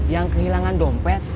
yang kehilangan dompet